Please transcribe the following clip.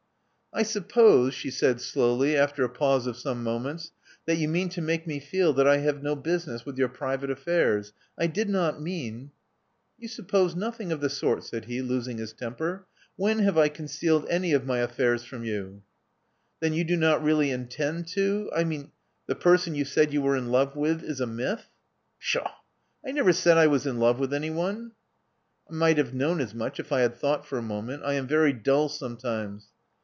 'M suppose," she said slowly, after a pause of some niomonts, that you mean to make me feel that I have no business with your private affairs. I did not moan " "Vou suppose nothing of the sort,'* said he, losing his ItMuper. When have I concealed any of my alTairs from you?" 'r]ion you do not really intend to— I mean, the pcrsi>n you said you were in love with, is a myth." *' Pshaw I I never said I was in love with anyone." "I might have known as much if I had thought for a moment. I am very dull sometimes."